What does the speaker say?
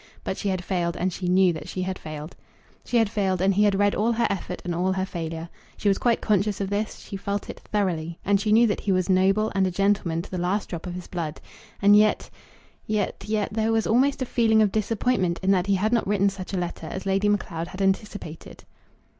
But she had failed, and she knew that she had failed. She had failed; and he had read all her effort and all her failure. She was quite conscious of this; she felt it thoroughly; and she knew that he was noble and a gentleman to the last drop of his blood. And yet yet yet there was almost a feeling of disappointment in that he had not written such a letter as Lady Macleod had anticipated.